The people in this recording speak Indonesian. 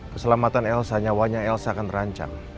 keselamatan elsa nyawanya elsa akan terancam